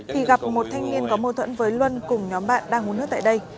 thì gặp một thanh niên có mâu thuẫn với luân cùng nhóm bạn đang uống nước tại đây